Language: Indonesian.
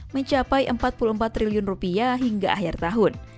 mencapai rp empat puluh empat triliun rupiah hingga akhir tahun